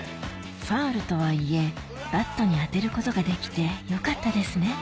ファウルとはいえバットに当てることができてよかったですね